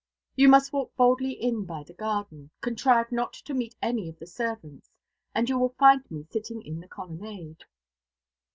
You must walk boldly in by the garden, contrive not to meet any of the servants, and you will find me sitting in the colonnade.